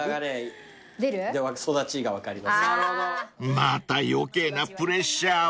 ［また余計なプレッシャーを］